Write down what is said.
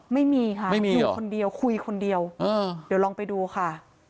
ไม่มีค่ะอยู่คนเดียวคุยคนเดียวเออโอ้เดี๋ยวลองไปดูค่ะ